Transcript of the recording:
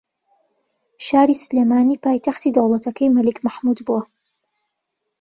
شاری سلێمانی پایتەختی دەوڵەتەکەی مەلیک مەحموود بووە